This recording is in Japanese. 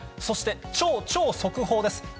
そして、超超速報です！